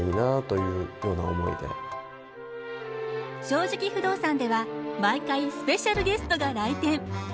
「正直不動産」では毎回スペシャルゲストが来店。